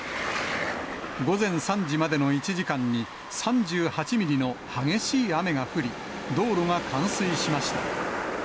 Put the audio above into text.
午前３時までの１時間に３８ミリの激しい雨が降り、道路が冠水しました。